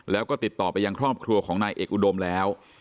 แล้วก็ติดต่อไปยังครอบครัวของนายเอกอุดมแล้ว